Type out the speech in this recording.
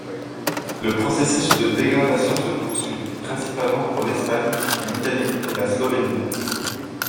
Le processus de dégradation se poursuit, principalement pour l’Espagne, l’Italie et la Slovénie.